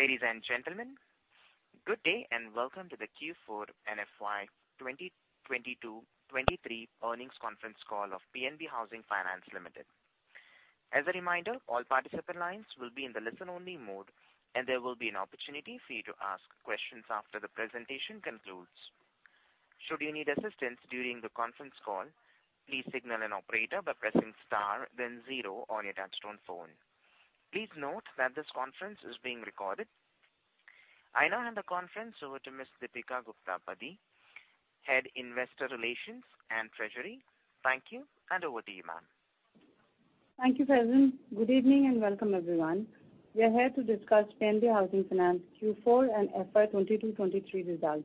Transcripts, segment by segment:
Ladies and gentlemen, good day, and welcome to the Q4 and FY 2022-2023 earnings conference call of PNB Housing Finance Limited. As a reminder, all participant lines will be in the listen-only mode, and there will be an opportunity for you to ask questions after the presentation concludes. Should you need assistance during the conference call, please signal an operator by pressing star then zero on your touchtone phone. Please note that this conference is being recorded. I now hand the conference over to Ms. Deepika Gupta Padhi, Head, Investor Relations & Treasury. Thank you, and over to you, ma'am. Thank you, Praveen. Good evening and welcome, everyone. We are here to discuss PNB Housing Finance Q4 and FY 2022/2023 results.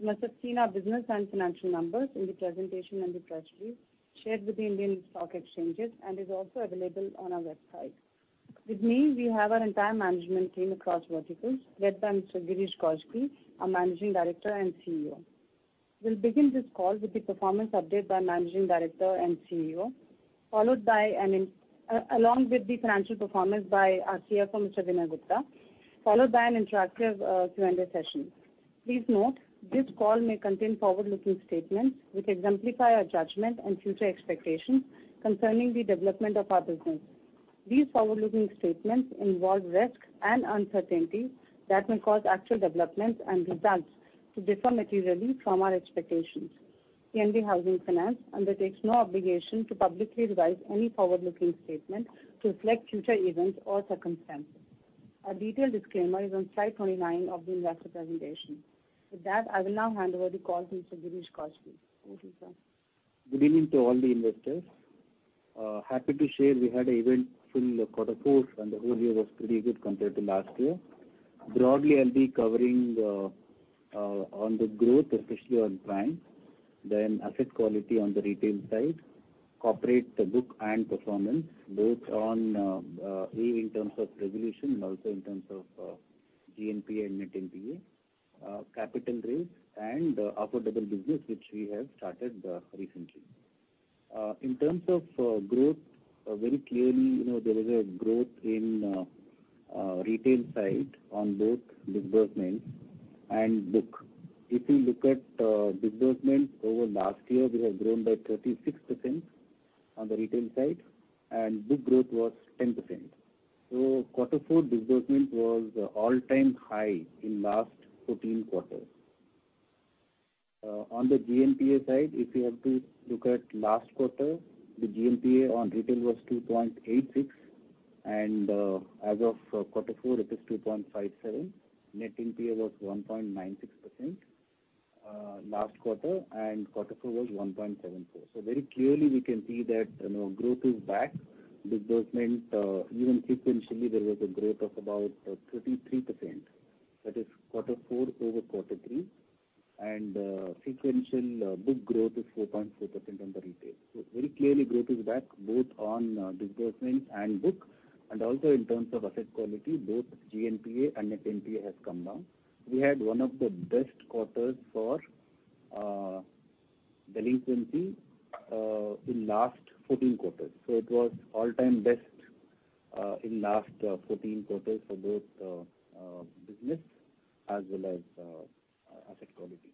You must have seen our business and financial numbers in the presentation and the press release shared with the Indian stock exchanges and is also available on our website. With me, we have our entire management team across verticals, led by Mr. Girish Kousgi, our Managing Director and CEO. We'll begin this call with the performance update by Managing Director and CEO, along with the financial performance by our CFO, Mr. Vinay Gupta, followed by an interactive Q&A session. Please note, this call may contain forward-looking statements which exemplify our judgment and future expectations concerning the development of our business. These forward-looking statements involve risks and uncertainties that may cause actual developments and results to differ materially from our expectations. PNB Housing Finance undertakes no obligation to publicly revise any forward-looking statement to reflect future events or circumstances. A detailed disclaimer is on slide 29 of the investor presentation. With that, I will now hand over the call to Mr. Girish Kousgi. Over to you, sir. Good evening to all the investors. Happy to share we had a event-filled quarter four and the whole year was pretty good compared to last year. Broadly, I'll be covering on the growth, especially on prime, then asset quality on the retail side, corporate book and performance, both on A, in terms of resolution and also in terms of GNPA and Net NPA, capital raise and affordable business which we have started recently. In terms of growth, very clearly, you know, there is a growth in retail side on both disbursement and book. If you look at disbursement over last year, we have grown by 36% on the retail side and book growth was 10%. Quarter four disbursement was all-time high in last 14 quarters. On the GNPA side, if you have to look at last quarter, the GNPA on retail was 2.86%, as of quarter four it is 2.57%. Net NPA was 1.96% last quarter four was 1.74%. Very clearly we can see that, you know, growth is back. Disbursement, even sequentially there was a growth of about 33%. That is quarter four over quarter three. Sequential book growth is 4.4% on the retail. Very clearly growth is back both on disbursement and book, and also in terms of asset quality, both GNPA and Net NPA has come down. We had one of the best quarters for delinquency in last 14 quarters. It was all-time best in last 14 quarters for both business as well as asset quality.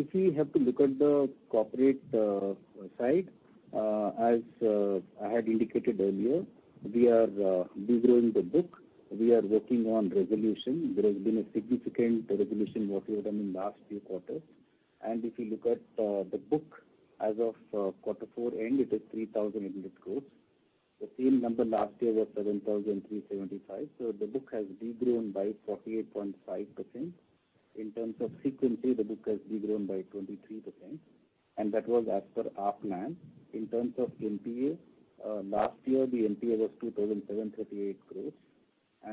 If we have to look at the corporate side, as I had indicated earlier, we are de-growing the book. We are working on resolution. There has been a significant resolution work we have done in last few quarters. If you look at the book as of quarter four end, it is 300,800 crore. The same number last year was 7,375 crore. The book has de-grown by 48.5%. In terms of sequentially, the book has de-grown by 23%, and that was as per plan. In terms of NPA, last year the NPA was 2,738 crore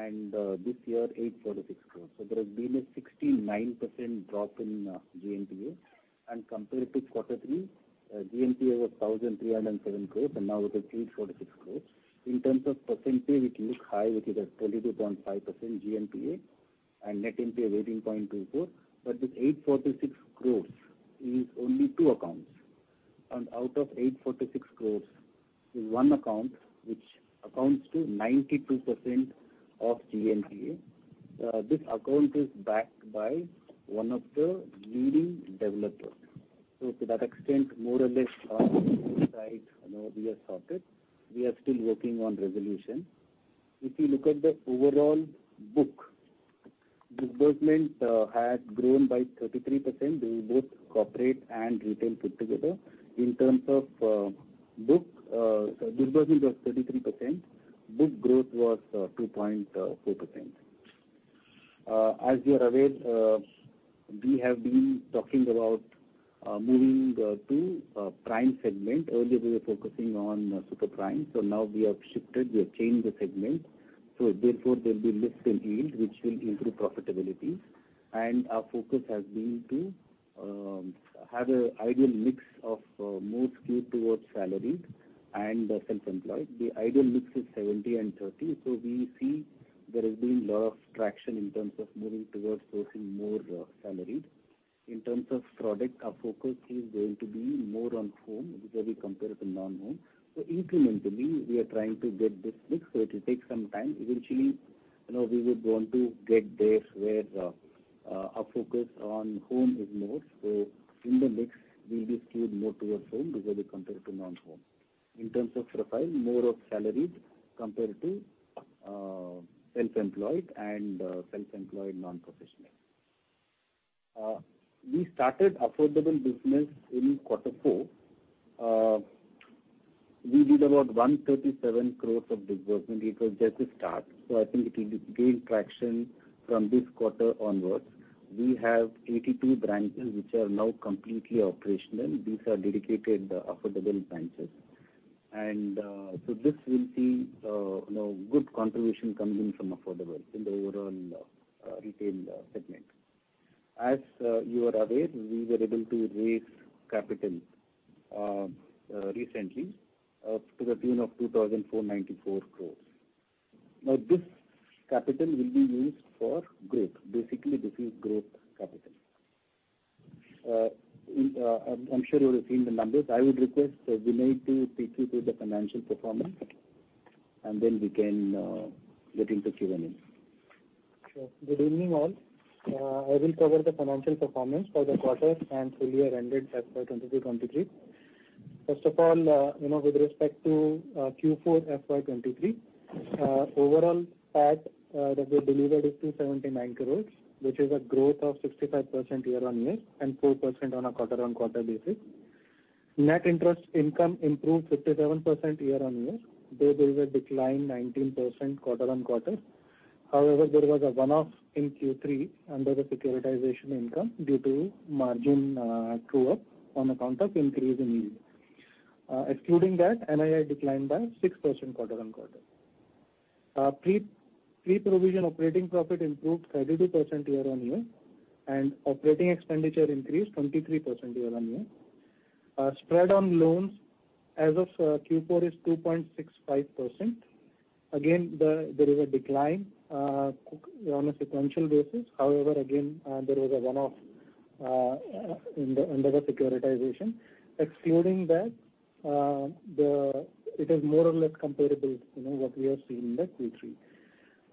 and this year 846 crore. There has been a 69% drop in GNPA. Compared to quarter three, GNPA was 1,307 crores and now it is 846 crores. In terms of percentage, it looks high, which is at 22.5% GNPA and net NPA 18.24%. This 846 crores is only two accounts. Out of 846 crores is one account which accounts to 92% of GNPA. This account is backed by one of the leading developers. To that extent, more or less, side, you know, we have sorted. We are still working on resolution. If you look at the overall book, disbursement has grown by 33% with both corporate and retail put together. In terms of book, sorry, disbursement was 33%. Book growth was 2.4%. As you are aware, we have been talking about moving to prime segment. Earlier we were focusing on super prime. Now we have shifted, we have changed the segment, so therefore there will be lift in yield which will improve profitability. Our focus has been to have a ideal mix of more skewed towards salaried and self-employed. The ideal mix is 70% and 30%. We see there has been lot of traction in terms of moving towards sourcing more salaried. In terms of product, our focus is going to be more on home vis-a-vis compared to non-home. Incrementally, we are trying to get this mix, so it will take some time. Eventually, you know, we would want to get there where our focus on home is more. In the mix, we'll be skewed more towards home vis-a-vis compared to non-home. In terms of profile, more of salaried compared to self-employed and self-employed non-professional. We started affordable business in quarter four. We did about 137 crores of disbursement. It was just a start, so I think it will gain traction from this quarter onwards. We have 82 branches which are now completely operational. These are dedicated affordable branches. So this will see, you know, good contribution coming in from affordable in the overall retail segment. As you are aware, we were able to raise capital recently, up to the tune of 2,494 crores. This capital will be used for growth. Basically, this is growth capital. In, I'm sure you would have seen the numbers. I would request, Vinay to take you through the financial performance and then we can get into Q&A. Sure. Good evening, all. I will cover the financial performance for the quarter and full year ended FY 2022, 2023. First of all, you know, with respect to Q4 FY 2023, overall PAT that we delivered is 279 crores, which is a growth of 65% year-on-year and 4% on a quarter-on-quarter basis. Net interest income improved 57% year-on-year, though there was a decline 19% quarter-on-quarter. However, there was a one-off in Q3 under the securitization income due to margin true up on account of increase in yield. Excluding that, NII declined by 6% quarter-on-quarter. Pre-provision operating profit improved 32% year-on-year and operating expenditure increased 23% year-on-year. Spread on loans as of Q4 is 2.65%. Again, there is a decline on a sequential basis. However, again, there was a one-off in the, under the securitization. Excluding that, it is more or less comparable to, you know, what we have seen in the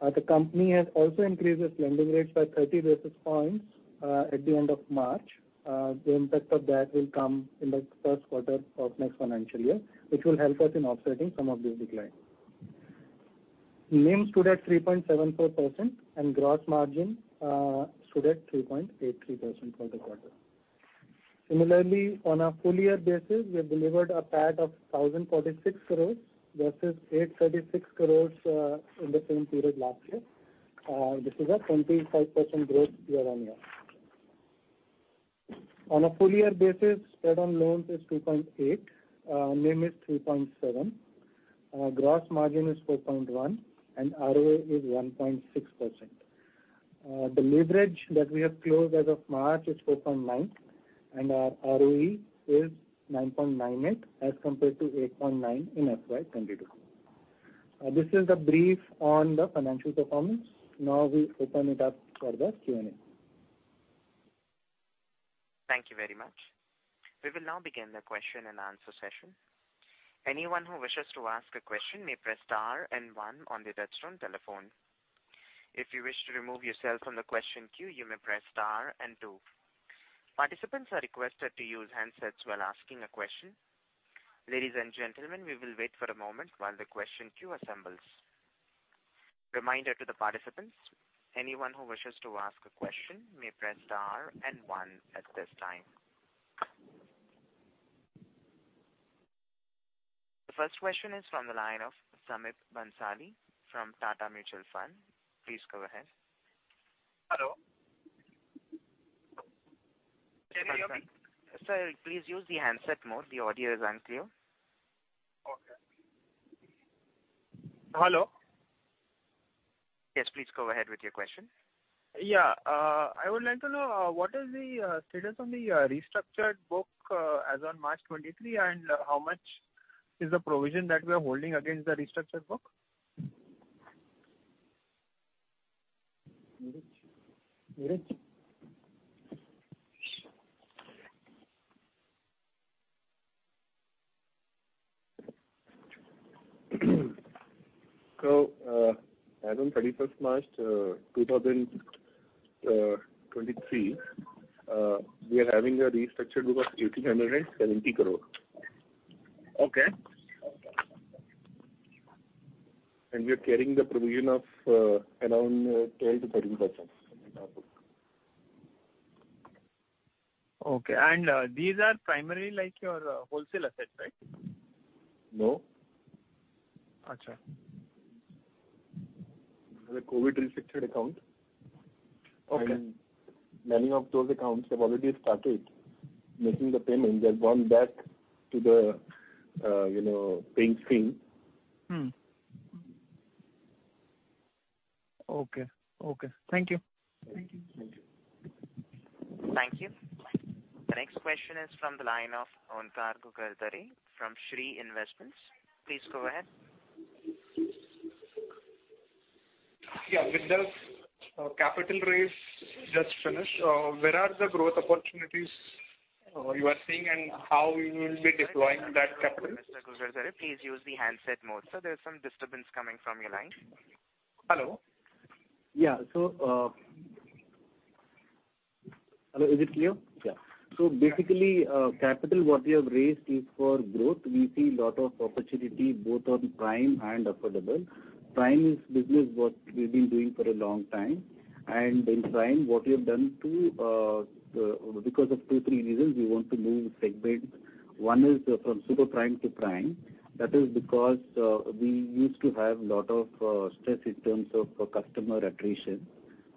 Q3. The company has also increased its lending rates by 30 basis points at the end of March. The impact of that will come in the first quarter of next financial year, which will help us in offsetting some of this decline. NIM stood at 3.74% and gross margin stood at 3.83% for the quarter. Similarly, on a full year basis, we have delivered a PAT of 1,046 crores versus 836 crores in the same period last year. This is a 25% growth year-on-year. On a full year basis, spread on loans is 2.8%, NIM is 3.7%, gross margin is 4.1% and ROA is 1.6%. The leverage that we have closed as of March is 4.9% and our ROE is 9.98% as compared to 8.9% in FY 2022. This is the brief on the financial performance. We open it up for the Q&A. Thank you very much. We will now begin the question and answer session. Anyone who wishes to ask a question may press star and one on the touchtone telephone. If you wish to remove yourself from the question queue, you may press star and two. Participants are requested to use handsets while asking a question. Ladies and gentlemen, we will wait for a moment while the question queue assembles. Reminder to the participants, anyone who wishes to ask a question may press star and one at this time. The first question is from the line of Samip Bhansali from Tata Mutual Fund. Please go ahead. Hello? Can you hear me? Sir, please use the handset mode. The audio is unclear. Okay. Hello? Yes, please go ahead with your question. Yeah. I would like to know what is the status on the restructured book as on March 2023, and how much is the provision that we are holding against the restructured book? Vinay. Vinay. As on 31st March 2023, we are having a restructured book of 1,870 crore. Okay. We are carrying the provision of, around 12%-13% in our book. Okay. These are primarily like your wholesale assets, right? No. Achha. The COVID restricted account. Okay. Many of those accounts have already started making the payment. They've gone back to the, you know, paying scheme. Okay. Thank you. Thank you. Thank you. Thank you. The next question is from the line of Onkar Ghugardare from Shree Investments. Please go ahead. With the capital raise just finished, where are the growth opportunities, you are seeing, and how you will be deploying that capital? Mr. Ghugardare, please use the handset mode. Sir, there's some disturbance coming from your line. Hello? Hello, is it clear? Yeah. Basically, capital what we have raised is for growth. We see lot of opportunity both on prime and affordable. Prime is business what we've been doing for a long time. In prime, what we have done to because of two, three reasons, we want to move segments. One is from super prime to prime. That is because we used to have lot of stress in terms of customer attrition.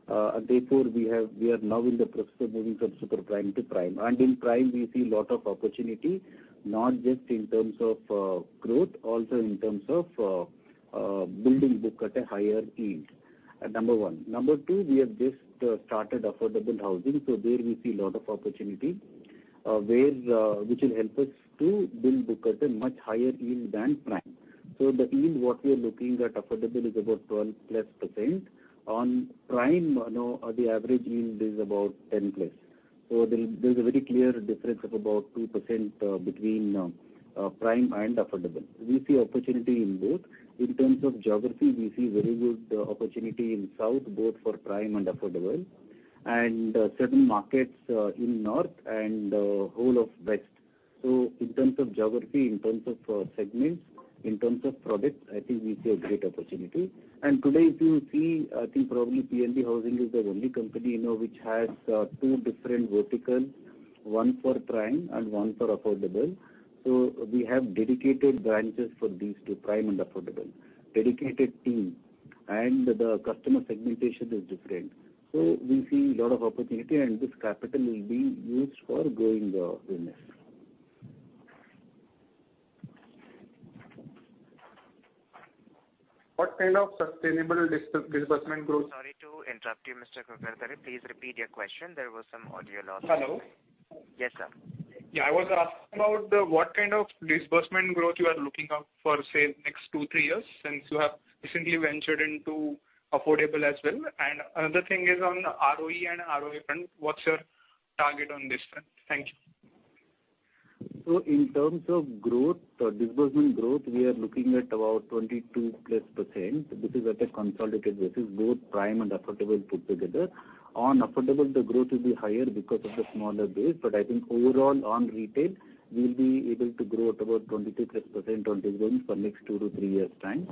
Therefore, we are now in the process of moving from super prime to prime. In prime we see lot of opportunity, not just in terms of growth, also in terms of building book at a higher yield, number one. Number two, we have just started affordable housing, so there we see lot of opportunity where which will help us to build book at a much higher yield than prime. The yield what we are looking at affordable is about 12+%. On prime, you know, the average yield is about 10+. There's a very clear difference of about 2% between prime and affordable. We see opportunity in both. In terms of geography, we see very good opportunity in South, both for prime and affordable, and certain markets in North and whole of West. In terms of geography, in terms of segments, in terms of products, I think we see a great opportunity. Today, if you see, I think probably PNB Housing is the only company, you know, which has, two different verticals, one for prime and one for affordable. We have dedicated branches for these two, prime and affordable, dedicated team. The customer segmentation is different. We see lot of opportunity, and this capital will be used for growing the business. What kind of sustainable disbursement growth? Sorry to interrupt you, Mr. Ghugardare. Please repeat your question. There was some audio loss. Hello? Yes, sir. Yeah, I was asking about what kind of disbursement growth you are looking out for, say, next two, three years since you have recently ventured into affordable as well? Another thing is on ROE and ROA front, what's your target on this front? Thank you. In terms of growth, disbursement growth, we are looking at about 22+%. This is at a consolidated basis, both prime and affordable put together. On affordable, the growth will be higher because of the smaller base. I think overall on retail, we'll be able to grow at about 22+% on this growth for next two to three years' time.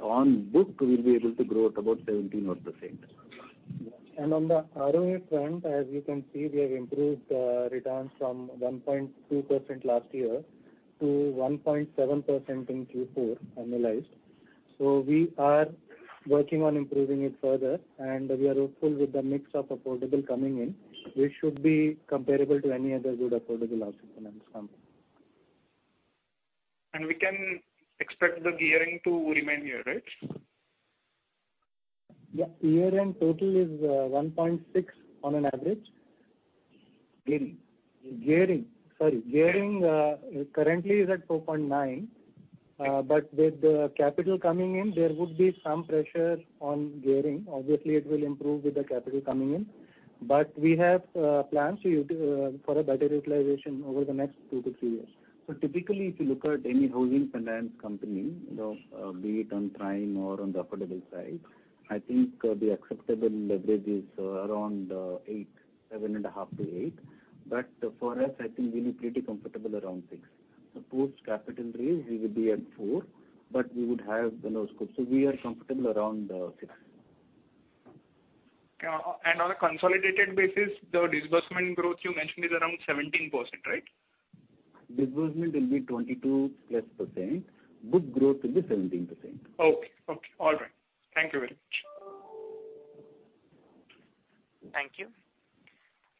On book, we'll be able to grow at about 17% odd. On the ROA front, as you can see, we have improved returns from 1.2% last year to 1.7% in Q4, annualized. We are working on improving it further, and we are hopeful with the mix of affordable coming in, we should be comparable to any other good affordable housing finance company. We can expect the gearing to remain here, right? Yeah. Year-end total is, 1.6% on an average. Gearing. Gearing. Sorry. Gearing, currently is at 4.9%. With the capital coming in, there would be some pressure on gearing. Obviously, it will improve with the capital coming in. We have plans for a better utilization over the next two to three years. Typically, if you look at any housing finance company, you know, be it on prime or on the affordable side, I think, the acceptable leverage is around 7.5%-8%. For us, I think we'll be pretty comfortable around 6%. Post capital raise, we will be at 4%, but we would have, you know, scope. We are comfortable around 6%. On a consolidated basis, the disbursement growth you mentioned is around 17%, right? Disbursement will be 22+%. Book growth will be 17%. Okay. Okay. All right. Thank you very much. Thank you.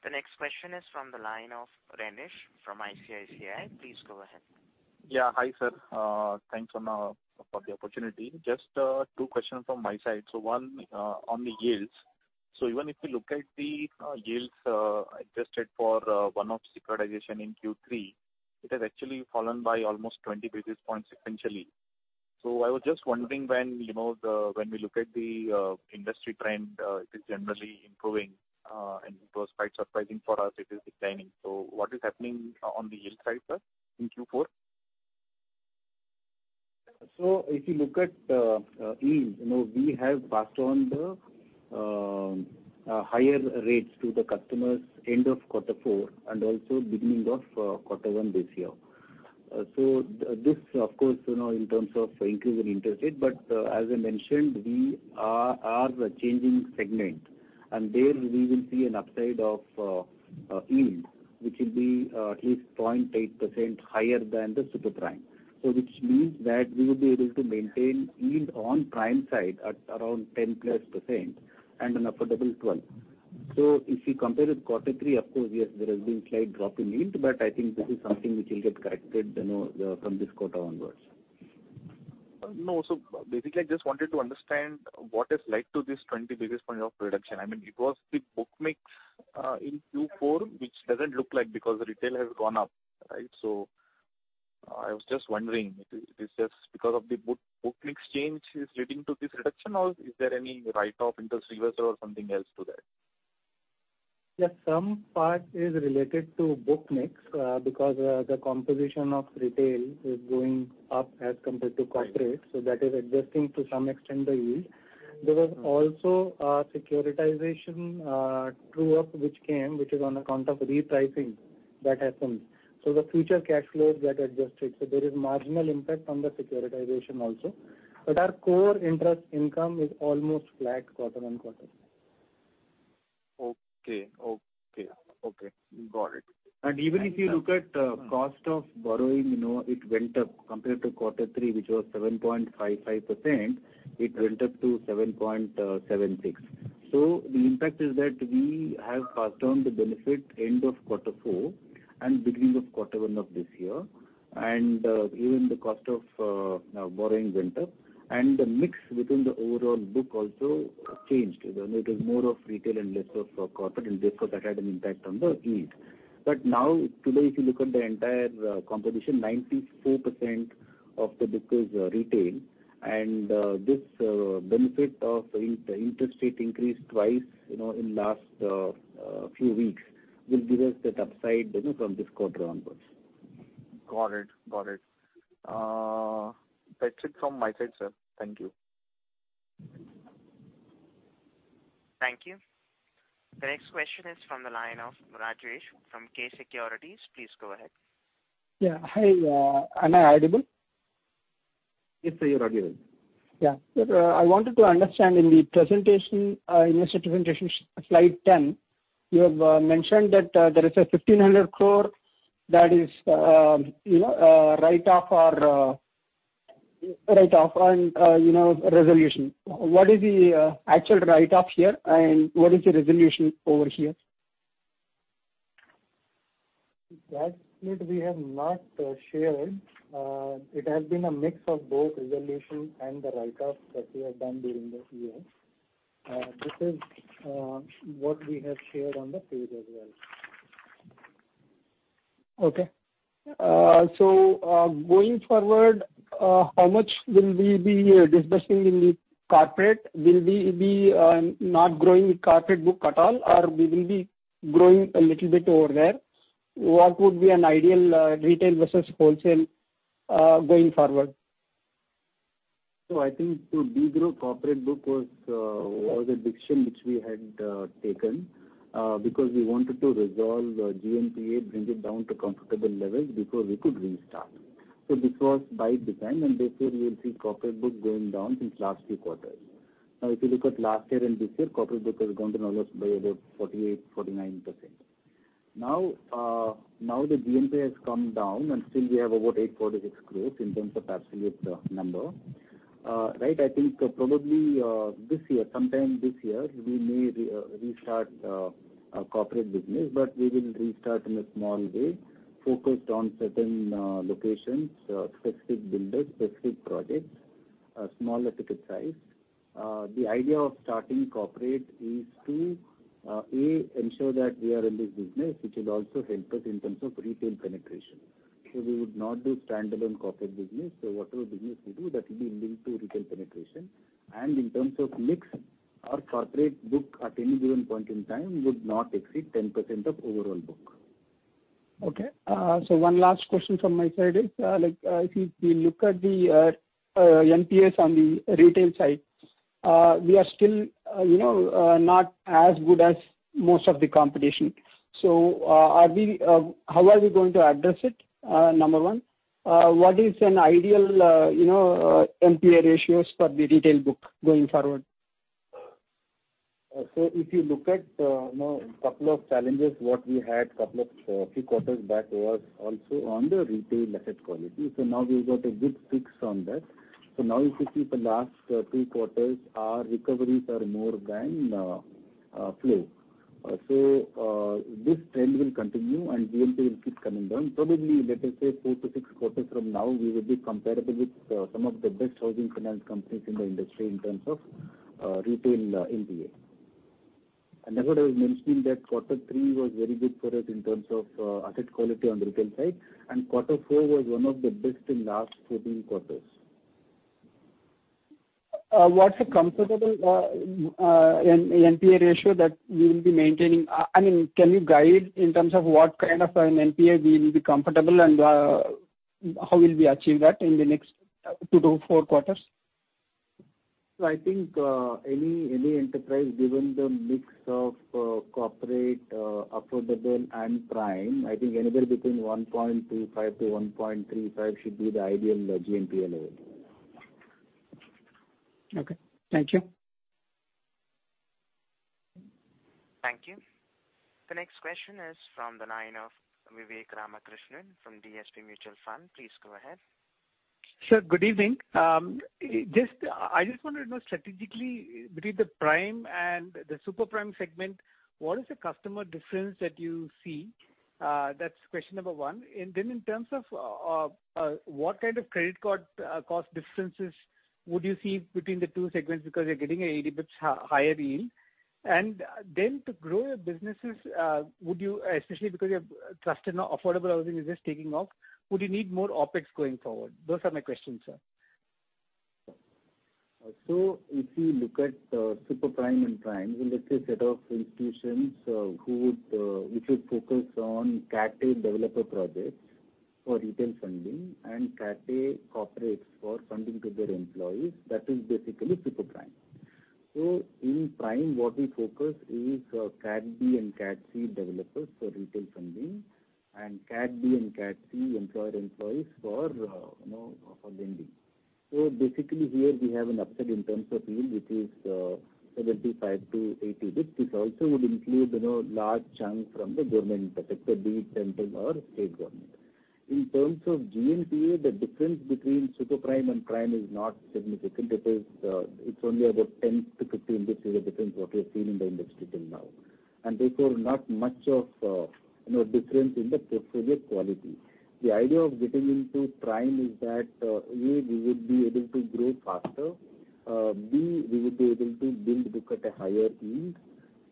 The next question is from the line of Renish from ICICI. Please go ahead. Yeah. Hi, sir. thanks on for the opportunity. Just two questions from my side. One on the yields. Even if you look at the yields adjusted for one-off securitization in Q3, it has actually fallen by almost 20 basis points essentially. I was just wondering when, you know, the, when we look at the industry trend, it is generally improving, and it was quite surprising for us it is declining. What is happening on the yield side, sir, in Q4? If you look at yield, you know, we have passed on the higher rates to the customers end of quarter four and also beginning of quarter one this year. This of course, you know, in terms of increase in interest rate. As I mentioned, we are changing segment, and there we will see an upside of yield, which will be at least 0.8% higher than the super prime. Which means that we will be able to maintain yield on prime side at around 10+% and on affordable, 12%. If you compare with quarter three, of course, yes, there has been slight drop in yield, but I think this is something which will get corrected, you know, from this quarter onwards. No. Basically, I just wanted to understand what has led to this 20 basis point of reduction. I mean, it was the book mix in Q4, which doesn't look like because the retail has gone up, right? I was just wondering it is just because of the book mix change is leading to this reduction or is there any write-off interest reversal or something else to that? Yes, some part is related to book mix, because the composition of retail is going up as compared to corporate. Right. That is adjusting to some extent the yield. There was also a securitization, true up, which came, which is on account of repricing that happened. The future cash flows get adjusted. There is marginal impact on the securitization also. Our core interest income is almost flat quarter-on-quarter. Okay. Okay. Okay. Got it. Even if you look at cost of borrowing, you know, it went up compared to Q3, which was 7.55%. It went up to 7.76%. The impact is that we have passed on the benefit end of Q4 and beginning of Q1 of this year. Even the cost of now borrowing went up and the mix within the overall book also changed. You know, it was more of retail and less of corporate and therefore that had an impact on the yield. Now today, if you look at the entire composition, 94% of the book is retail. This benefit of in-interest rate increase twice, you know, in last few weeks will give us that upside, you know, from this quarter onwards. Got it. Got it. That's it from my side, sir. Thank you. Thank you. The next question is from the line of Rajesh from B&K Securities. Please go ahead. Yeah. Hi, am I audible? Yes, sir, you're audible. I wanted to understand in the presentation, investor presentation slide ten, you have mentioned that there is a 1,500 crore that is, you know, write-off or write-off and, you know, resolution. What is the actual write-off here and what is the resolution over here? That bit we have not shared. It has been a mix of both resolution and the write-off that we have done during the year. This is what we have shared on the page as well. Going forward, how much will we be dispassionate in the corporate? Will we be not growing the corporate book at all or we will be growing a little bit over there? What would be an ideal retail versus wholesale going forward? I think to de-grow corporate book was a decision which we had taken because we wanted to resolve GNPA, bring it down to comfortable levels before we could restart. This was by design and therefore you will see corporate book going down since last few quarters. Now, if you look at last year and this year, corporate book has gone down almost by about 48%-49%. Now, the GNPA has come down and still we have about 860 crores in terms of absolute number. Right, I think probably this year, sometime this year, we may restart our corporate business but we will restart in a small way focused on certain locations, specific builders, specific projects, smaller ticket size. The idea of starting corporate is to ensure that we are in this business which will also help us in terms of retail penetration. We would not do standalone corporate business. Whatever business we do that will be linked to retail penetration and in terms of mix our corporate book at any given point in time would not exceed 10% of overall book. Okay. One last question from my side is, like, if you look at the NPAs on the retail side, we are still, you know, not as good as most of the competition. How are we going to address it? Number one. What is an ideal, you know, NPA ratios for the retail book going forward? If you look at, you know, couple of challenges, what we had couple of few quarters back was also on the retail asset quality. Now we've got a good fix on that. Now if you see the last three quarters our recoveries are more than flow. This trend will continue and GNPA will keep coming down. Probably let us say four to six quarters from now we will be comparable with some of the best housing finance companies in the industry in terms of retail NPA. Therefore I was mentioning that quarter three was very good for us in terms of asset quality on retail side and quarter four was one of the best in last 14 quarters. What's a comfortable NPA ratio that we will be maintaining? I mean, can you guide in terms of what kind of an NPA we will be comfortable and how will we achieve that in the next two to four quarters? I think, any enterprise given the mix of corporate, affordable and prime, I think anywhere between 1.25% to 1.35% should be the ideal GNPA level. Okay. Thank you. Thank you. The next question is from the line of Vivek Ramakrishnan from DSP Mutual Fund. Please go ahead. Sir, good evening. I just want to know strategically between the prime and the super prime segment, what is the customer difference that you see? That's question number one. In terms of what kind of credit card cost differences would you see between the two segments because you're getting a 80 bips higher yield? To grow your businesses, would you, especially because your trusted now affordable housing is just taking off, would you need more OpEx going forward? Those are my questions, sir. If you look at super prime and prime, let's say set of institutions, who would, which would focus on Cat A developer projects for retail funding and Cat A corporates for funding to their employees, that is basically super prime. In prime, what we focus is Cat B and Cat C developers for retail funding and Cat B and Cat C employer employees for, you know, for lending. Basically here we have an upside in terms of yield, which is 75 basis points-80 basis points. This also would include, you know, large chunk from the government sector, be it central or state government. In terms of GNPA, the difference between super prime and prime is not significant because it's only about 10-15 basis difference what we have seen in the industry till now, and therefore, not much of, you know, difference in the portfolio quality. The idea of getting into prime is that A, we would be able to grow faster, B, we would be able to build book at a higher yield.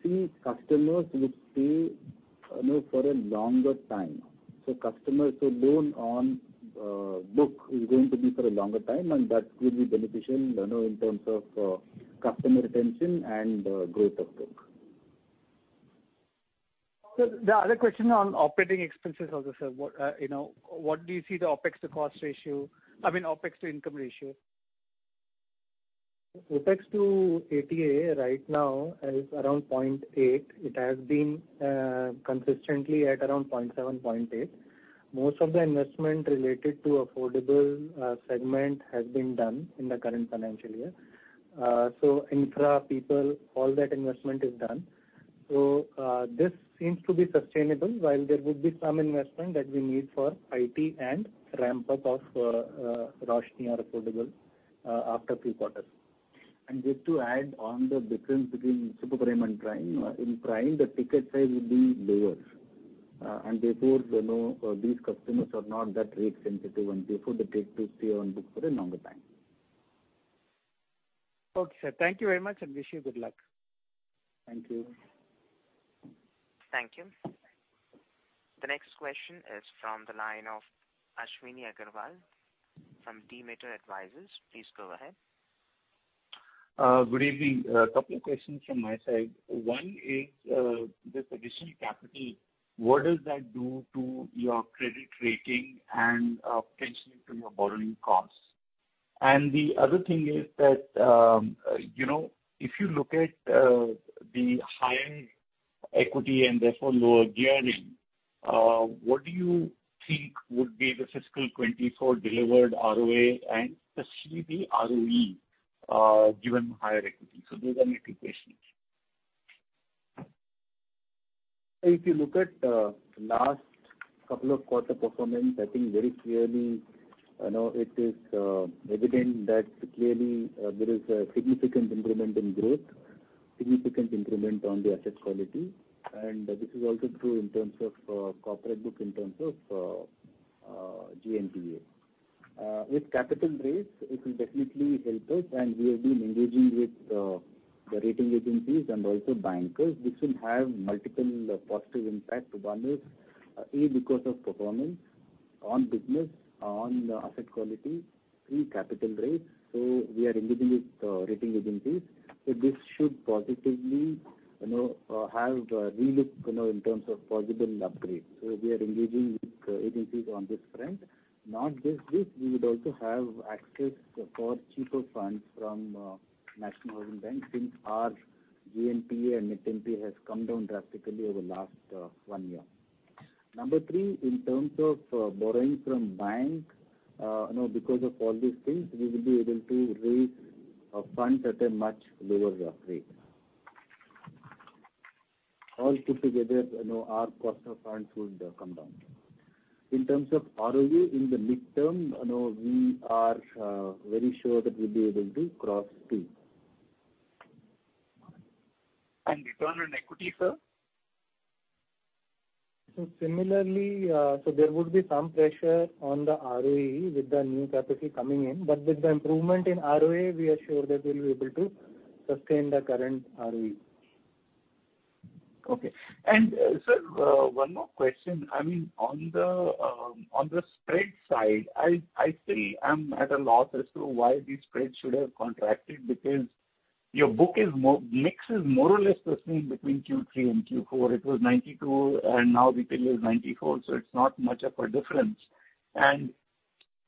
C, customers would stay, you know, for a longer time, so customers who loan on book is going to be for a longer time, and that will be beneficial, you know, in terms of customer retention and growth of book. Sir, the other question on operating expenses also, sir. What, you know, what do you see the OpEx to cost ratio... I mean, OpEx to income ratio? OpEx to ATA right now is around 0.8%. It has been consistently at around 0.7%, 0.8%. Most of the investment related to affordable segment has been done in the current financial year. Infra, people, all that investment is done. This seems to be sustainable while there would be some investment that we need for IT and ramp up of Roshni, our affordable, after three quarters. Just to add on the difference between super prime and prime. In prime, the ticket size will be lower, and therefore, you know, these customers are not that rate sensitive, and therefore, they take to stay on book for a longer time. Okay, sir. Thank you very much and wish you good luck. Thank you. Thank you. The next question is from the line of Ashwini Agarwal from Demeter Advisors. Please go ahead. Good evening. A couple of questions from my side. One is, this additional capital, what does that do to your credit rating and potentially to your borrowing costs? The other thing is that, you know, if you look at the higher equity and therefore lower gearing, what do you think would be the fiscal 2024 delivered ROA and especially the ROE, given higher equity? Those are my two questions. If you look at last couple of quarter performance, I think very clearly, you know, it is evident that clearly, there is a significant improvement in growth, significant improvement on the asset quality. This is also true in terms of corporate book, in terms of GNPA. With capital raise, it will definitely help us, and we have been engaging with the rating agencies and also bankers. This will have multiple positive impact. One is A, because of performance on business, on the asset quality, B, capital raise. We are engaging with rating agencies. This should positively, you know, have a relook, you know, in terms of possible upgrade. We are engaging with agencies on this front. Not just this, we would also have access for cheaper funds from National Housing Bank since our GNPA and NNPA has come down drastically over last one year. Number three, in terms of borrowing from bank, you know, because of all these things, we will be able to raise a fund at a much lower rate. All put together, you know, our cost of funds would come down. In terms of ROE, in the midterm, you know, we are very sure that we'll be able to cross three. Return on equity, sir? There would be some pressure on the ROE with the new capital coming in. With the improvement in ROA, we are sure that we'll be able to sustain the current ROE. Okay. Sir, one more question. I mean, on the spread side, I still am at a loss as to why these spreads should have contracted because your book mix is more or less the same between Q3 and Q4. It was 92% and now the till is 94%, so it's not much of a difference.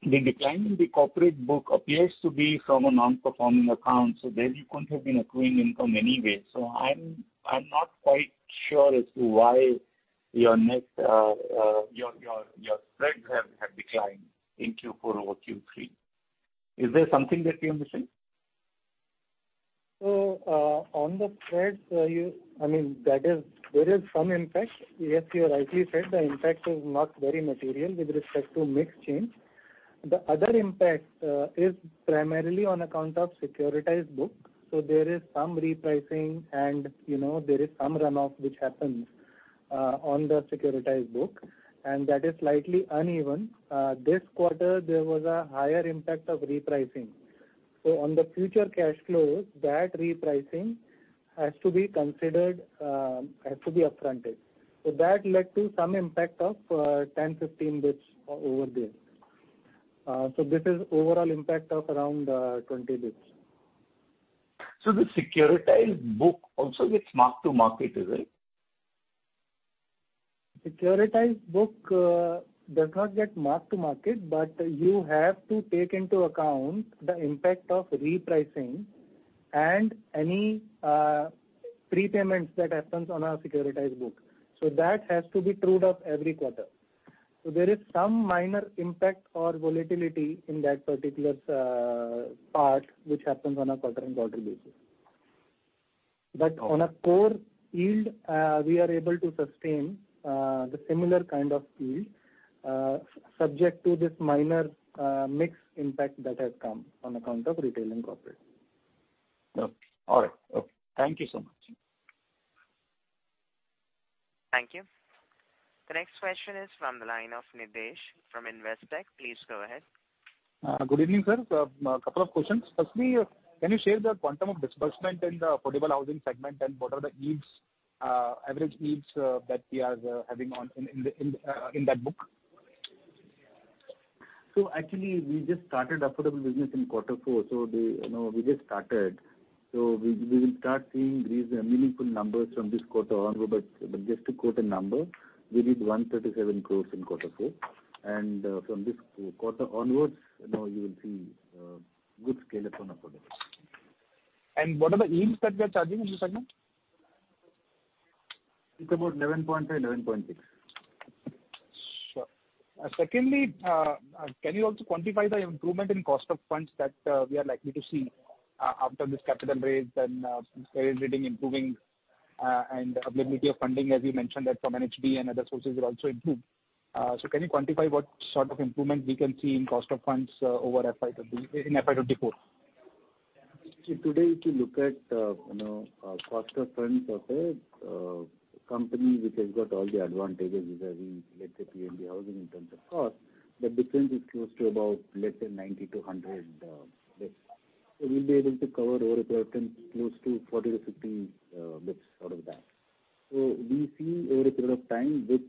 The decline in the corporate book appears to be from a non-performing account, so there you couldn't have been accruing income anyway. I'm not quite sure as to why your spreads have declined in Q4 over Q3. Is there something that we are missing? On the spreads, I mean, that is, there is some impact. Yes, you are right. You said the impact is not very material with respect to mix change. The other impact is primarily on account of securitized book, so there is some repricing and, you know, there is some runoff which happens. On the securitized book, and that is slightly uneven. This quarter there was a higher impact of repricing. So on the future cash flows, that repricing has to be considered, has to be upfronted. So that led to some impact of 10, 15 bits over there. This is overall impact of around 20 bits. The securitized book also gets mark-to-market, is it? Securitized book does not get mark to market. You have to take into account the impact of repricing and any prepayments that happens on our securitized book. That has to be trued up every quarter. There is some minor impact or volatility in that particular part which happens on a quarter-on-quarter basis. On a core yield, we are able to sustain the similar kind of yield subject to this minor mixed impact that has come on account of retail and corporate. Okay. All right. Okay. Thank you so much. Thank you. The next question is from the line of Nidhesh from Investec. Please go ahead. Good evening, sir. A couple of questions. Firstly, can you share the quantum of disbursement in the affordable housing segment? What are the yields, average yields, that we are having on in the, in that book? Actually we just started affordable business in quarter four. You know, we just started, so we will start seeing these meaningful numbers from this quarter onward. Just to quote a number, we did 137 crores in quarter four. From this quarter onwards, you know, you will see good scale-up on affordable. What are the yields that we are charging in this segment? It's about 11.5%, 11.6%. Sure. Secondly, can you also quantify the improvement in cost of funds that we are likely to see after this capital raise and credit rating improving and availability of funding, as you mentioned that from NHB and other sources will also improve. Can you quantify what sort of improvement we can see in cost of funds in FY 2024? See today if you look at, you know, cost of funds of a company which has got all the advantages vis-a-vis, let's say PNB Housing in terms of cost, the difference is close to about, let's say 90-100 bits. We'll be able to cover over a period of time close to 40-50 bits out of that. We see over a period of time with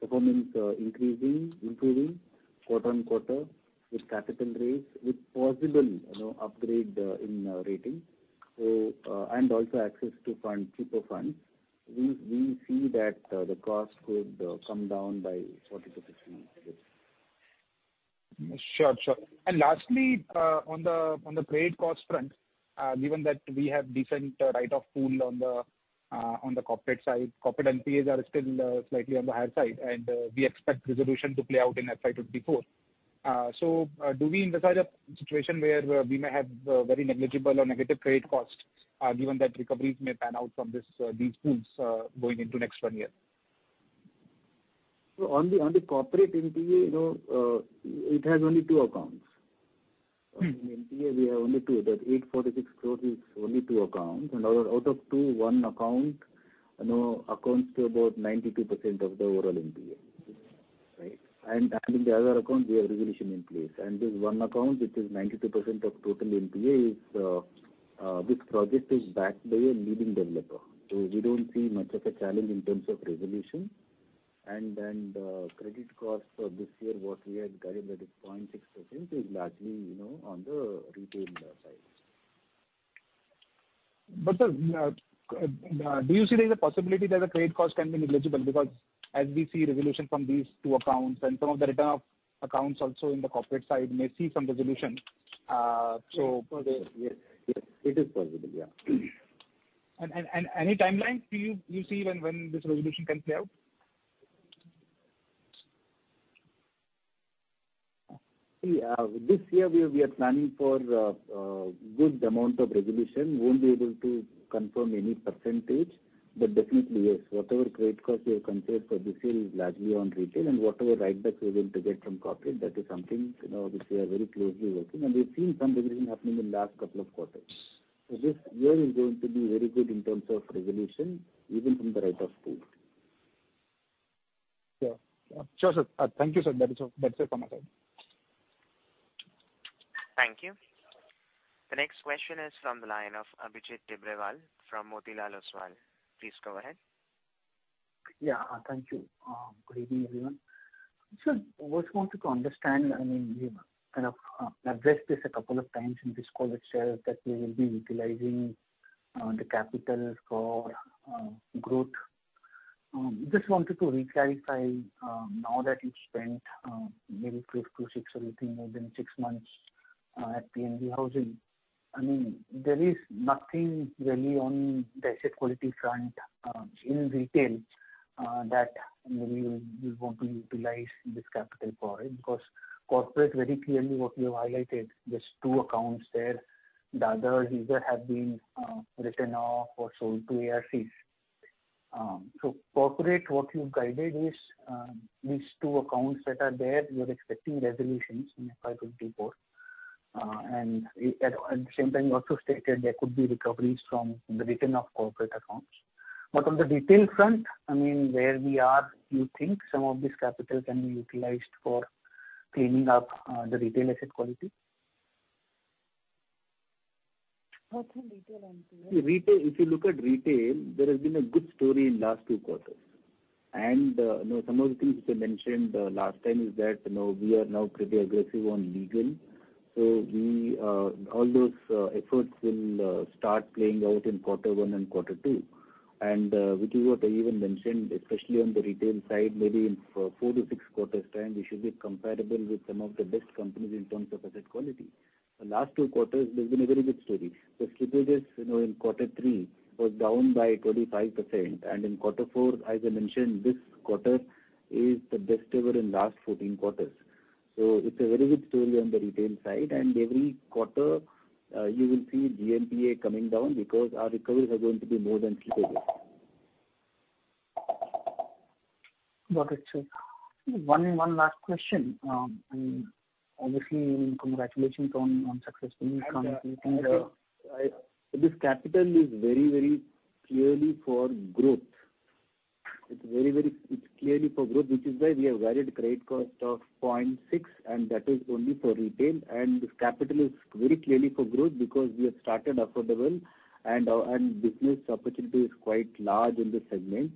performance increasing, improving quarter on quarter with capital raise, with possible, you know, upgrade in rating, and also access to fund, cheaper funds, we see that the cost could come down by 40-50 bits. Sure, sure. Lastly, on the credit cost front, given that we have decent write-off pool on the corporate side, corporate NPAs are still slightly on the higher side, and we expect resolution to play out in FY 2024. Do we envisage a situation where we may have very negligible or negative credit costs, given that recoveries may pan out from this, these pools, going into next one year? On the corporate NPA, you know, it has only two accounts. In NPA, we have only two. That 846 crores is only two accounts. Out of two, one account, you know, accounts to about 92% of the overall NPA. Right? In the other account we have resolution in place. This one account, which is 92% of total NPA, is this project is backed by a leading developer. We don't see much of a challenge in terms of resolution. Credit cost for this year, what we had guided at its 0.6% is largely, you know, on the retail side. Do you see there is a possibility that the credit cost can be negligible? Because as we see resolution from these two accounts and some of the return of accounts also in the corporate side may see some resolution. Yes. It is possible, yeah. Any timeline do you see when this resolution can play out? See, this year we are planning for a good amount of resolution. Won't be able to confirm any percentage, but definitely, yes, whatever credit cost we have considered for this year is largely on retail and whatever write-backs we are going to get from corporate, that is something, you know, which we are very closely working and we've seen some resolution happening in last couple of quarters. This year is going to be very good in terms of resolution even from the write-off pool. Sure. Sure, sir. Thank you, sir. That is all. That's it from my side. Thank you. The next question is from the line of Abhijit Tibrewal from Motilal Oswal. Please go ahead. Yeah. Thank you. Good evening, everyone. I just wanted to understand, I mean, you kind of addressed this a couple of times in this call itself that you will be utilizing the capital for growth. Just wanted to reclarify, now that you've spent maybe close to six or a little more than six months at PNB Housing, I mean, there is nothing really on the asset quality front in retail that maybe you want to utilize this capital for it because corporate very clearly what you have highlighted, just two accounts there. The others either have been written off or sold to ARCs. corporate, what you guided is, these two accounts that are there, you're expecting resolutions in FY 2024. At the same time, you also stated there could be recoveries from the return of corporate accounts. On the retail front, I mean, where we are, do you think some of this capital can be utilized for cleaning up the retail asset quality? What's in retail, Anshul? Retail, if you look at retail, there has been a good story in last two quarters. You know, some of the things which I mentioned last time is that, you know, we are now pretty aggressive on legal. We, all those efforts will start playing out in quarter one and quarter two, which is what I even mentioned, especially on the retail side, maybe in four to six quarters time, we should be comparable with some of the best companies in terms of asset quality. The last two quarters there's been a very good story. The slippages, you know, in quarter three was down by 25%, and in quarter four, as I mentioned, this quarter is the best ever in last 14 quarters. It's a very good story on the retail side. Every quarter, you will see GNPA coming down because our recoveries are going to be more than slippages. Got it, sir. One last question. Obviously, congratulations on successfully. This capital is very clearly for growth. It's clearly for growth, which is why we have varied credit cost of 0.6%, and that is only for retail. This capital is very clearly for growth because we have started affordable and business opportunity is quite large in this segment.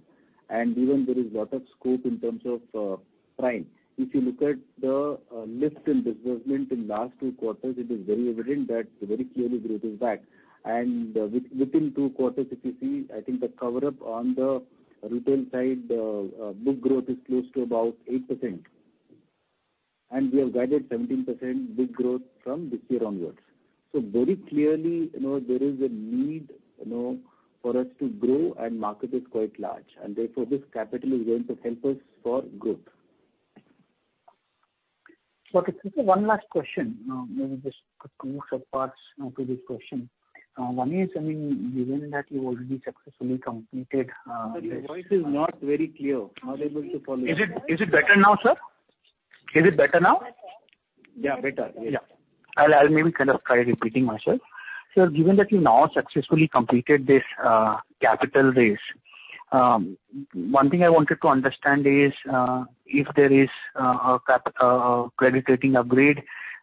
Even there is lot of scope in terms of price. If you look at the lift in disbursement in last two quarters, it is very evident that very clearly growth is back. Within two quarters, if you see, I think the cover up on the retail side book growth is close to about 8%. We have guided 17% book growth from this year onwards. Very clearly, you know, there is a need, you know, for us to grow and market is quite large and therefore this capital is going to help us for growth. Okay. One last question. maybe just two sub parts to this question. one is, I mean, given that you already successfully completed. Your voice is not very clear. Not able to follow. Is it better now, sir? Is it better now? Yeah, better. Yeah. Yeah. I'll maybe kind of try repeating myself. Sir, given that you now successfully completed this capital raise, one thing I wanted to understand is if there is a credit rating upgrade,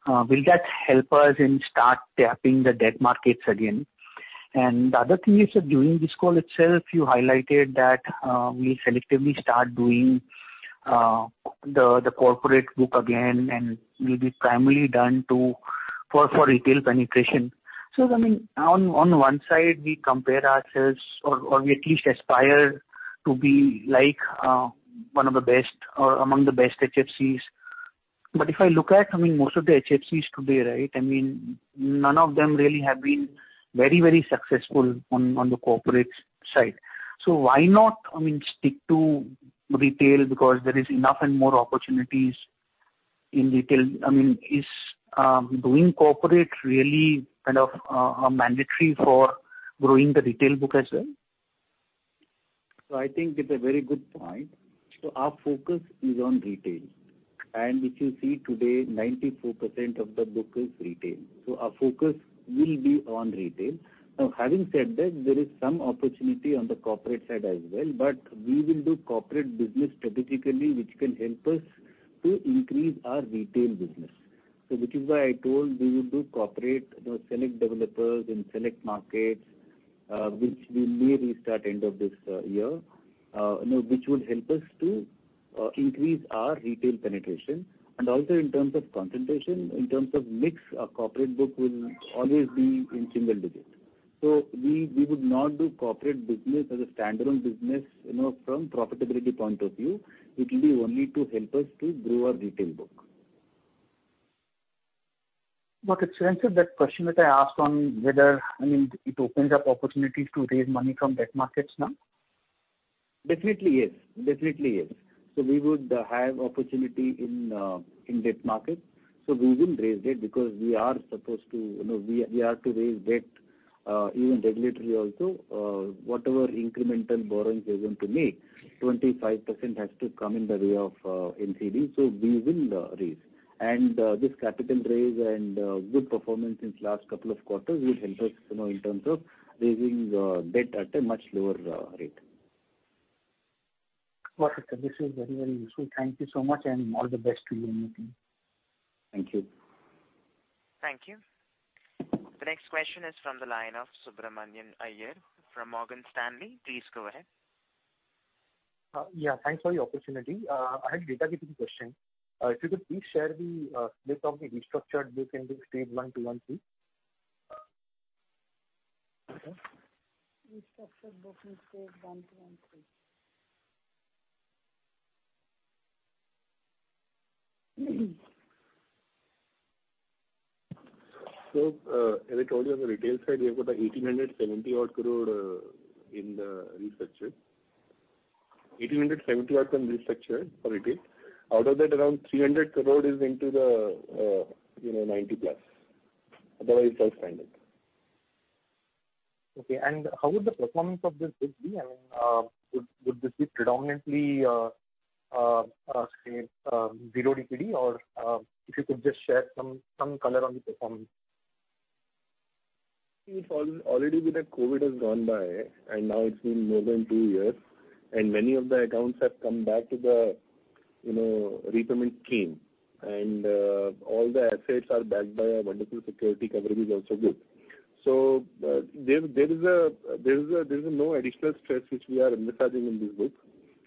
will that help us in start tapping the debt markets again? The other thing is that during this call itself, you highlighted that we selectively start doing the corporate book again and will be primarily done to, for retail penetration. I mean, on one side we compare ourselves or we at least aspire to be like one of the best or among the best HFCs. If I look at, I mean, most of the HFCs today, right? I mean, none of them really have been very successful on the corporate side. Why not, I mean, stick to retail because there is enough and more opportunities in retail. I mean, is doing corporate really kind of mandatory for growing the retail book as well? I think it's a very good point. Our focus is on retail and if you see today 94% of the book is retail, so our focus will be on retail. Now, having said that, there is some opportunity on the corporate side as well. We will do corporate business strategically, which can help us to increase our retail business. Which is why I told we will do corporate, you know, select developers in select markets, which we may restart end of this year, you know, which would help us to increase our retail penetration. Also in terms of concentration, in terms of mix, our corporate book will always be in single digits. We would not do corporate business as a standalone business, you know, from profitability point of view, it will be only to help us to grow our retail book. Got it. answer that question that I asked on whether, I mean, it opens up opportunities to raise money from debt markets now? Definitely, yes. Definitely, yes. We would have opportunity in in debt market. We will raise debt because we are supposed to, you know, we have to raise debt even regulatory also. Whatever incremental borrowings we are going to make, 25% has to come in the way of NCD. We will raise. This capital raise and good performance since last couple of quarters will help us, you know, in terms of raising debt at a much lower rate. Got it, sir. This is very, very useful. Thank you so much and all the best to you and your team. Thank you. Thank you. The next question is from the line of Subramanian Iyer from Morgan Stanley. Please go ahead. Yeah, thanks for the opportunity. I had data-driven question. If you could please share the list of the restructured book in this stage one, two and three. Restructured book in stage one, two and three. As I told you, on the retail side, we have got 1,870 odd crore in the restructure. 1,870 odd from restructure for retail. Out of that, around 300 crore is into the, you know, 90+. Otherwise all standard. Okay. How would the performance of this book be? I mean, would this be predominantly, say, zero DPD? If you could just share some color on the performance. It's already been that COVID has gone by, and now it's been more than two years, and many of the accounts have come back to the, you know, repayment scheme. All the assets are backed by a wonderful security coverage is also good. There is no additional stress which we are massaging in this book.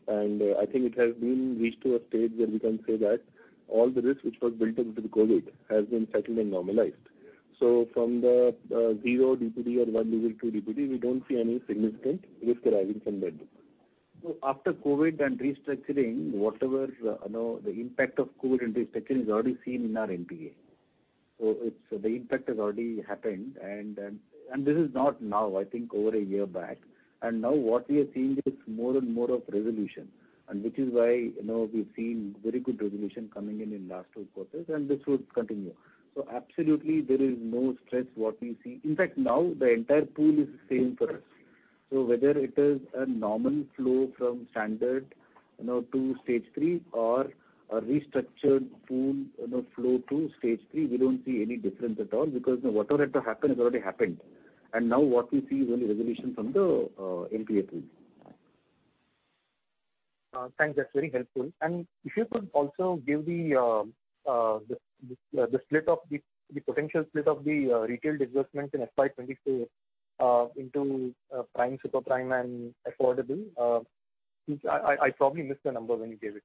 I think it has been reached to a stage where we can say that all the risk which was built into the COVID has been settled and normalized. From the zero DPD or one level two DPD, we don't see any significant risk arising from that book. After COVID and restructuring, whatever, you know, the impact of COVID and restructuring is already seen in our NPA. The impact has already happened and this is not now, I think over a year back. Now what we are seeing is more and more of resolution, and which is why, you know, we've seen very good resolution coming in in last two quarters, and this would continue. Absolutely there is no stress what we see. In fact, now the entire pool is the same for us. Whether it is a normal flow from standard, you know, to stage three or a restructured pool, you know, flow to stage three, we don't see any difference at all because whatever had to happen has already happened. Now what we see is only resolution from the NPA pool. Thanks. That's very helpful. If you could also give the split of the potential split of the retail disbursements in FY 2024 into Prime, Super Prime and Affordable. Please, I probably missed the number when you gave it.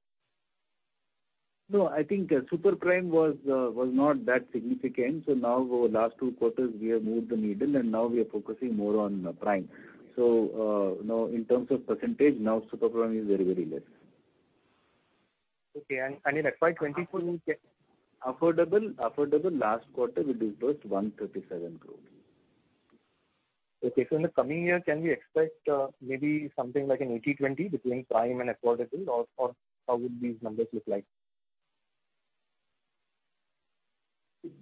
I think super prime was not that significant. Now over last two quarters we have moved the needle and now we are focusing more on prime. You know, in terms of percentage, now super prime is very, very less. Okay. In FY 2024. Affordable last quarter we disbursed 137 crore. Okay. In the coming year, can we expect maybe something like an 80/20 between prime and affordable or how would these numbers look like?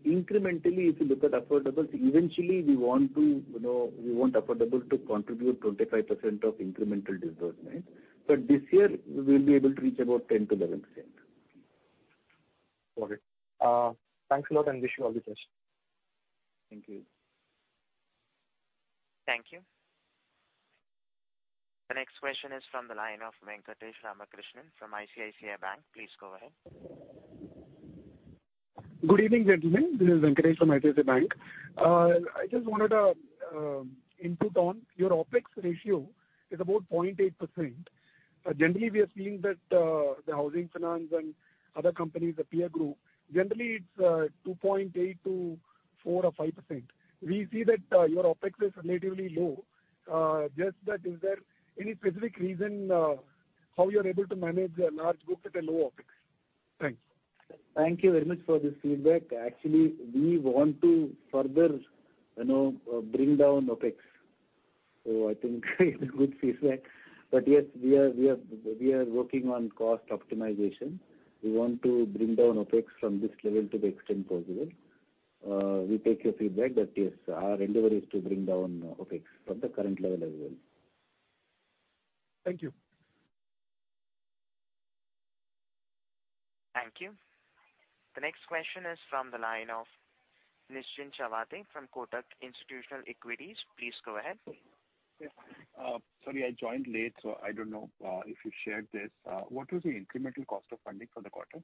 Incrementally, if you look at affordable, see, eventually we want to, you know, we want affordable to contribute 25% of incremental disbursement. This year we will be able to reach about 10%-11%. Got it. thanks a lot and wish you all the best. Thank you. Thank you. The next question is from the line of Venkatesh Ramakrishnan from ICICI Bank. Please go ahead. Good evening, gentlemen. This is Venkatesh from ICICI Bank. I just wanted input on your OpEx ratio is about 0.8%. Generally, we are seeing that the housing finance and other companies, the peer group, generally it's 2.8%-4% or 5%. We see that your OpEx is relatively low. Is there any specific reason how you're able to manage a large book at a low OpEx? Thanks. Thank you very much for this feedback. Actually, we want to further, you know, bring down OpEx. I think it's good feedback. Yes, we are working on cost optimization. We want to bring down OpEx from this level to the extent possible. We take your feedback that yes, our endeavor is to bring down OpEx from the current level as well. Thank you. Thank you. The next question is from the line of Nischint Chawathe from Kotak Institutional Equities. Please go ahead. Yes. Sorry I joined late, so I don't know if you shared this. What was the incremental cost of funding for the quarter?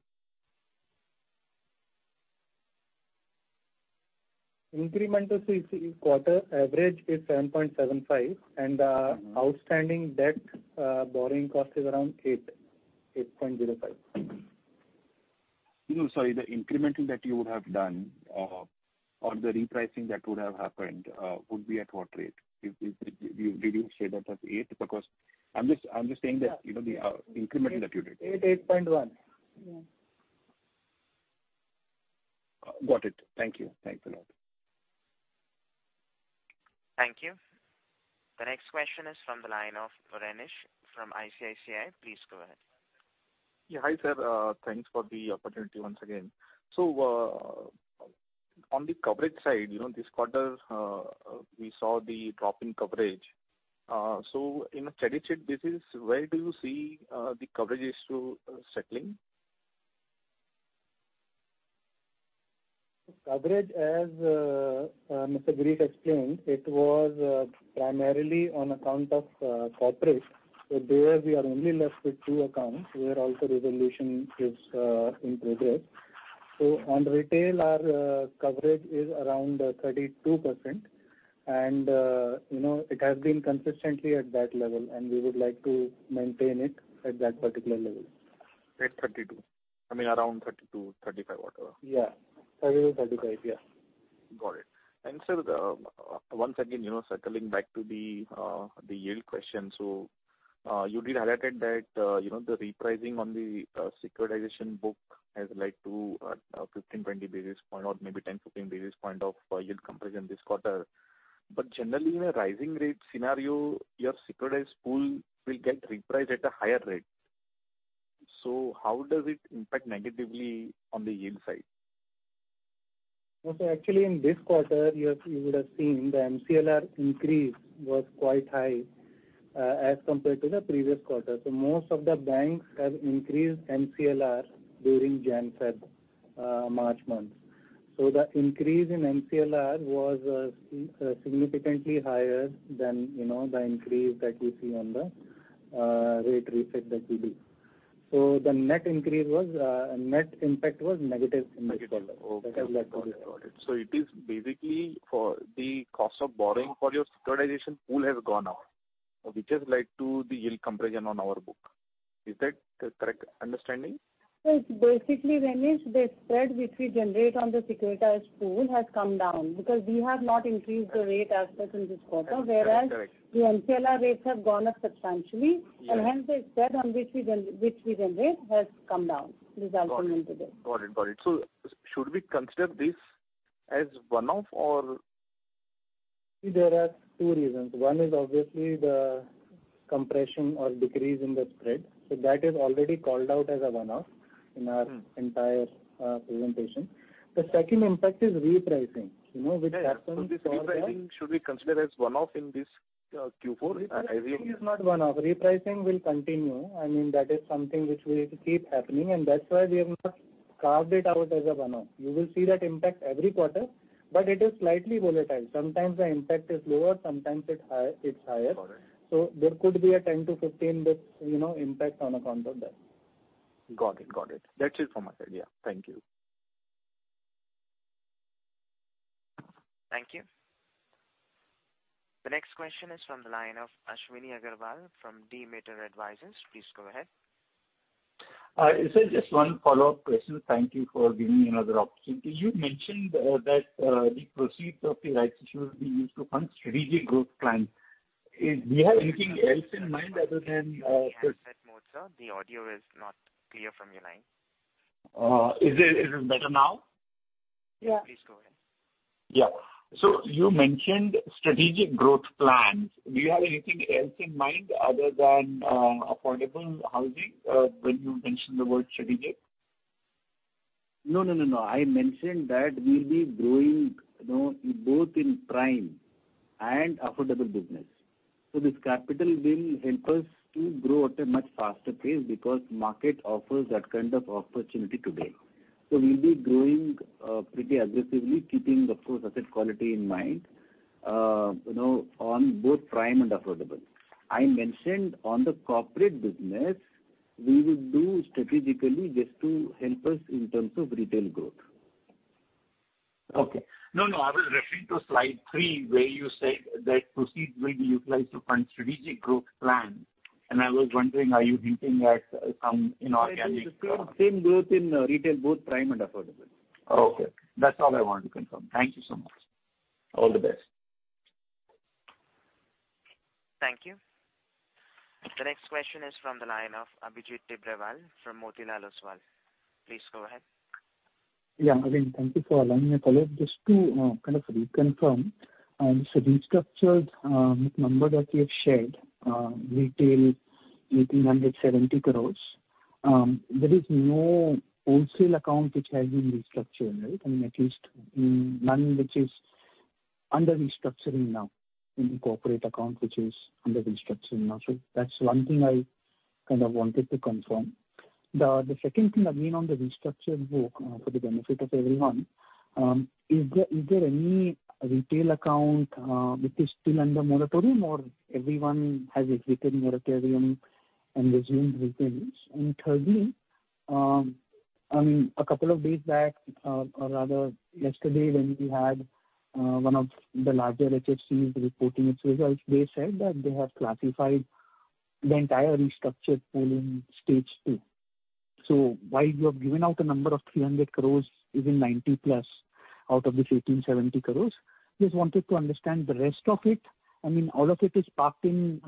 Incremental see quarter average is 7.75%, and outstanding debt borrowing cost is 8.05%. No, sorry. The incremental that you would have done, or the repricing that would have happened, would be at what rate? If did you say that as 8%? Because I'm just saying that, you know, the incremental that you did. 8.1%. Yeah. Got it. Thank you. Thanks a lot. Thank you. The next question is from the line of Renish from ICICI. Please go ahead. Yeah. Hi, sir. Thanks for the opportunity once again. On the coverage side, you know, this quarter, we saw the drop in coverage. In a steady state basis, where do you see the coverage issue settling? Coverage, as Mr. Girish explained, it was primarily on account of corporate. There we are only left with two accounts where also resolution is in progress. On retail our coverage is around 32%. You know, it has been consistently at that level, and we would like to maintain it at that particular level. At 32%. I mean, around 32%, 35%, whatever. Yeah. 30% to 35%. Yeah. Got it. Sir, once again, you know, circling back to the yield question. You did highlight that, you know, the repricing on the securitization book has led to 15-20 basis point or maybe 10-15 basis point of yield compression this quarter. Generally in a rising rate scenario, your securitized pool will get repriced at a higher rate. How does it impact negatively on the yield side? Actually in this quarter you would have seen the MCLR increase was quite high as compared to the previous quarter. Most of the banks have increased MCLR during Jan, Feb, March month. The increase in MCLR was significantly higher than, you know, the increase that you see on the rate reset that we do. The net increase was net impact was negative in this quarter. Negative. Okay. That is what. Got it. It is basically for the cost of borrowing for your securitization pool has gone up, which has led to the yield compression on our book. Is that the correct understanding? It's basically, Ramesh, the spread which we generate on the securitized pool has come down because we have not increased the rate as such in this quarter. Correct. Correct. The MCLR rates have gone up substantially. Yeah. Hence the spread on which we generate has come down resulting into this. Got it. Got it. Should we consider this as one-off or? See, there are two reasons. One is obviously the compression or decrease in the spread. That is already called out as a one-off in our entire presentation. The second impact is repricing, you know, which happens all the time. Yeah, yeah. This repricing should we consider as one-off in this Q4? Repricing is not one-off. Repricing will continue. I mean, that is something which will keep happening and that's why we have not carved it out as a one-off. You will see that impact every quarter, but it is slightly volatile. Sometimes the impact is lower, sometimes it's higher. Got it. There could be a 10-15 basis, you know, impact on account of that. Got it. Got it. That's it from my side. Yeah. Thank you. Thank you. The next question is from the line of Ashwini Agarwal from Demeter Advisors. Please go ahead. Sir, just one follow-up question. Thank you for giving me another opportunity. You mentioned that the proceeds of the rights issue will be used to fund strategic growth plans. Do you have anything else in mind other than? Handset mode, sir. The audio is not clear from your line. Is it better now? Yeah. Please go ahead. Yeah. You mentioned strategic growth plans. Do you have anything else in mind other than affordable housing when you mentioned the word strategic? No, no, no. I mentioned that we'll be growing, you know, both in prime and affordable business. This capital will help us to grow at a much faster pace because market offers that kind of opportunity today. We'll be growing pretty aggressively, keeping of course, asset quality in mind, you know, on both prime and affordable. I mentioned on the corporate business we will do strategically just to help us in terms of retail growth. Okay. No, no, I was referring to slide three where you said that proceeds will be utilized to fund strategic growth plans, and I was wondering, are you hinting at some inorganic- Same growth in retail, both prime and affordable. Okay. That's all I wanted to confirm. Thank you so much. All the best. Thank you. The next question is from the line of Abhijit Tibrewal from Motilal Oswal. Please go ahead. Yeah. Again, thank you for allowing me to follow up. Just to kind of reconfirm, restructured number that you have shared, retail 1,870 crores, there is no wholesale account which has been restructured, right? I mean, at least, none which is under restructuring now, any corporate account which is under restructuring now. That's one thing I kind of wanted to confirm. The second thing again on the restructured book, for the benefit of everyone, is there any retail account which is still under moratorium or everyone has exited moratorium and resumed repayments? Thirdly, a couple of days back, or rather yesterday when we had one of the larger HFCs reporting its results, they said that they have classified the entire restructured pool in stage two. While you have given out a number of 300 crores is in 90+ out of this 1,870 crores, just wanted to understand the rest of it. I mean, all of it is parked in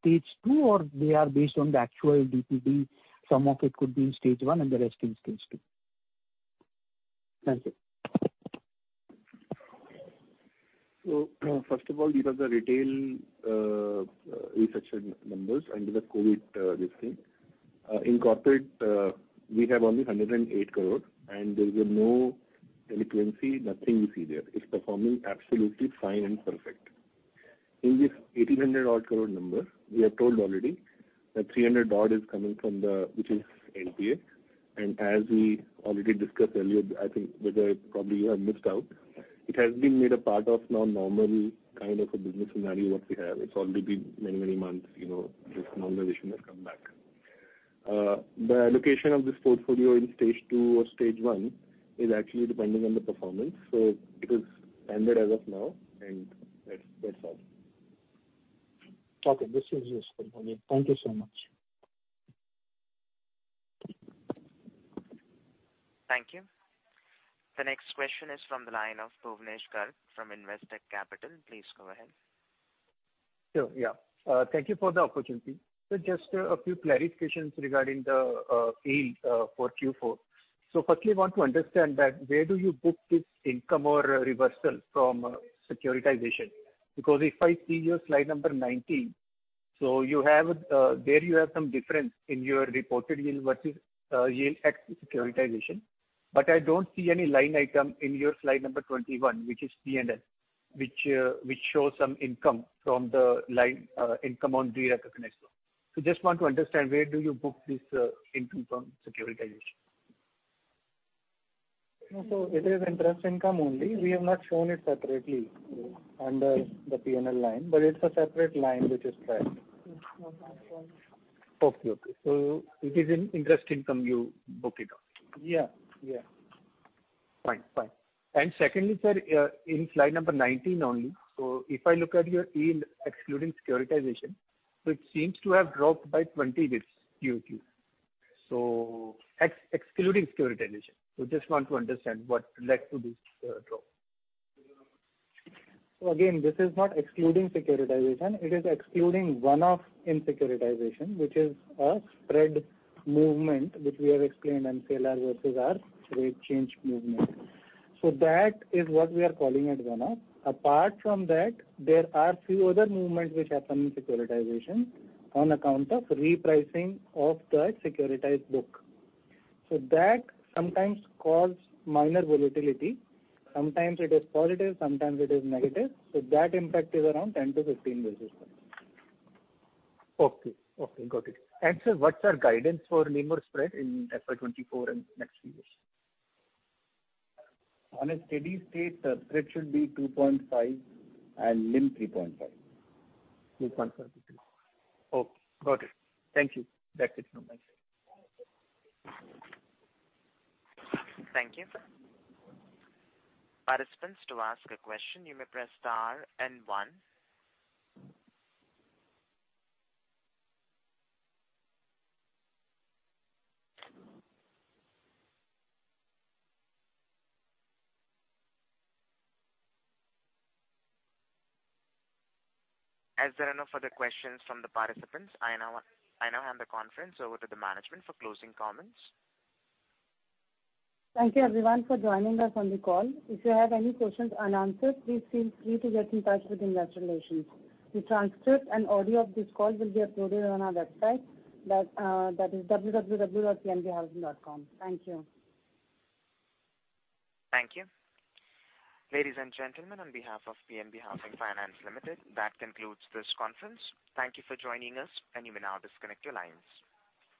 stage two or they are based on the actual DPD, some of it could be in stage one and the rest in stage two? Thank you. First of all, these are the retail restructure numbers under the COVID restructuring. In corporate, we have only 108 crore and there is no delinquency, nothing you see there. It's performing absolutely fine and perfect. In this 1,800 odd crore number, we have told already that 300 odd is coming from the, which is NPA, and as we already discussed earlier, I think Vijay probably you have missed out, it has been made a part of now normal kind of a business scenario what we have. It's already been many months, you know, this normalization has come back. The allocation of this portfolio in stage two or stage one is actually dependent on the performance, so it is standard as of now and that's all. Okay. This is useful for me. Thank you so much. Thank you. The next question is from the line of Bhuvanesh Garg from Investec Capital. Please go ahead. Sure. Yeah. Thank you for the opportunity. Just a few clarifications regarding the yield for Q4. Firstly, I want to understand that where do you book this income or reversal from securitization? Because if I see your slide number 19, so you have, there you have some difference in your reported yield versus yield at securitization. I don't see any line item in your slide number 21, which is P&L, which shows some income from the line, income on derecognition. Just want to understand where do you book this income from securitization? No. It is interest income only. We have not shown it separately under the P&L line, but it's a separate line which is spread. Okay. Okay. It is in interest income you book it up. Yeah. Yeah. Fine. Fine. Secondly, sir, in slide number 19 only, if I look at your yield excluding securitization, it seems to have dropped by 20 basis Q to Q. Excluding securitization. Just want to understand what led to this drop? Again, this is not excluding securitization. It is excluding one-off in securitization, which is a spread movement, which we have explained in PLR versus our rate change movement. That is what we are calling as one-off. Apart from that, there are few other movements which happen in securitization on account of repricing of the securitized book. That sometimes cause minor volatility. Sometimes it is positive, sometimes it is negative. That impact is around 10-15 basis points. Okay. Okay. Got it. Sir, what's our guidance for NIM or spread in FY 2024 and next few years? On a steady state, spread should be 2.5% and NIM 3.5%. 2.5%-3%. Okay. Got it. Thank you. That's it from my side. Thank you. Participants, to ask a question you may press star and one. As there are no further questions from the participants, I now hand the conference over to the management for closing comments. Thank you everyone for joining us on the call. If you have any questions unanswered, please feel free to get in touch with investor relations. The transcript and audio of this call will be uploaded on our website. That is www.pnbhousing.com. Thank you. Thank you. Ladies and gentlemen, on behalf of PNB Housing Finance Limited, that concludes this conference. Thank you for joining us, and you may now disconnect your lines.